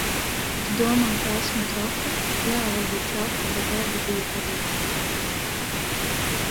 Tu domā, ka esmu traka? Jā, varbūt traka, bet darbi bija padarīti.